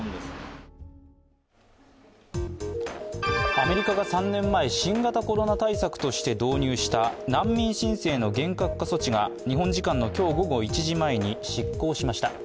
アメリカが３年前、新型コロナ対策として導入した難民申請の厳格化措置が日本時間の今日午後１時前に失効しました。